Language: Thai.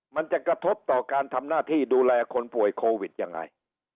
มันจะกระทบต่อการทำหน้าที่ดูแลคนป่วยโควิดยังไง